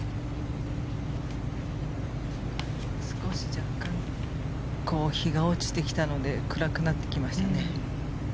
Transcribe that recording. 若干、日が落ちてきたので暗くなってきましたね。